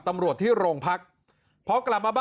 นั่นแหละครับ